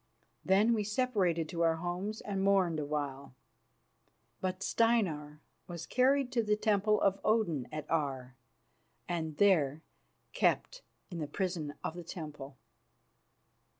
Then we separated to our homes and mourned a while. But Steinar was carried to the temple of Odin at Aar, and there kept in the prison of the temple.